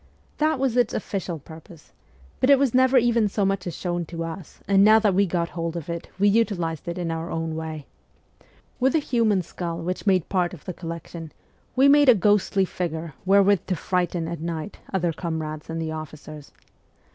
That was its official purpose ; but it was never even so much as shown to us, and now that we got hold of it we utilised it in our own way. With the human skull which made part of the collection we made a ghostly figure where with to frighten at night other comrades and the officers.